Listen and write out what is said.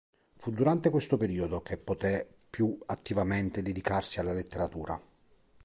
Fu durante questo periodo che poté più attivamente dedicarsi alla letteratura.